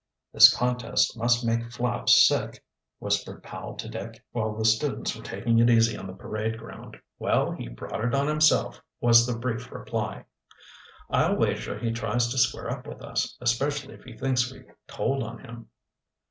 "This contest must make Flapp feel sick," whispered Powell to Dick, while the students were taking it easy on the parade ground. "Well, he brought it on himself," was the brief reply. "I'll wager he tries to square up with us, especially if he thinks we told on him."